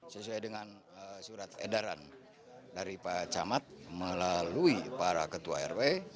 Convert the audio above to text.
sesuai dengan surat edaran dari pak camat melalui para ketua rw